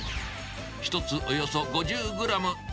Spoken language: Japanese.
１つおよそ５０グラム。